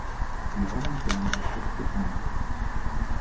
Wir haben die verlangten Schritte getan.